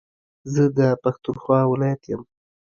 زه دا پښتونخوا ولايت يم